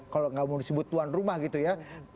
kalau nggak mau disebut tuan rumah gitu ya